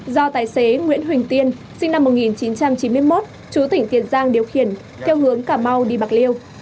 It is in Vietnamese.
do tài xế nguyễn huỳnh tiên sinh năm một nghìn chín trăm chín mươi một chú tỉnh tiền giang điều khiển theo hướng cà mau đi bạc liêu